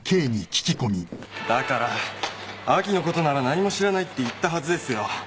だから亜希のことなら何も知らないって言ったはずですよ。